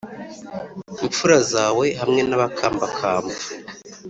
Imfura zawe hamwe n’abakambakamba